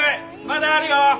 まだあるよ！